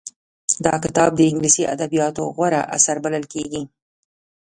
دا کتاب د انګلیسي ادبیاتو غوره اثر بلل کېږي